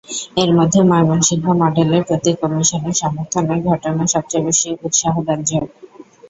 এর মধ্যে ময়মনসিংহ মডেলের প্রতি কমিশনের সমর্থনের ঘটনা সবচেয়ে বেশি উৎসাহব্যঞ্জক।